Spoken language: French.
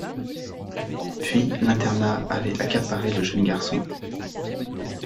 Puis, l'internat avait accaparé le jeune garçon.